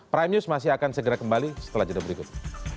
prime news masih akan segera kembali setelah jadwal berikut